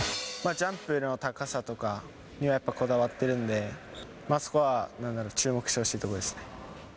ジャンプの高さとかには、やっぱこだわってるんで、そこは注目してほしいところですね。